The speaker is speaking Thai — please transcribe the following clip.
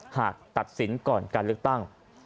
หากตัดสินก่อนการเลือกตั้ง